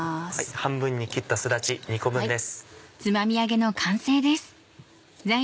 半分に切ったすだち２個分です。